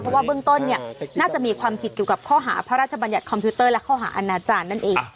เพราะว่าเบื้องต้นเนี่ยน่าจะมีความผิดเกี่ยวกับข้อหาพระราชบัญญัติคอมพิวเตอร์และข้อหาอาณาจารย์นั่นเอง